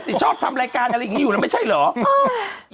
เนี่ยชอบทำรายการอะไรอย่างนี้อยู่ได้ไม่ใช่หรือ